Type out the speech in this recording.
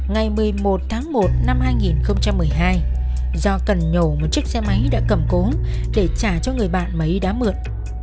ngày một mươi một tháng một năm hai nghìn một mươi hai do cần nhổ một chiếc xe máy đã cầm cố để trả cho người bạn mấy đã mượn